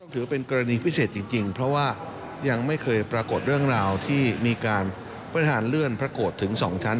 ถือเป็นกรณีพิเศษจริงเพราะว่ายังไม่เคยปรากฏเรื่องราวที่มีการประทานเลื่อนพระโกรธถึง๒ชั้น